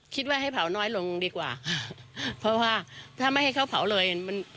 ให้เผาน้อยลงดีกว่าเพราะว่าถ้าไม่ให้เขาเผาเลยมัน